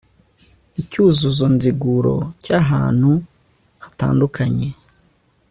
icyuzuzo nziguro cy'ahantu hatandukanye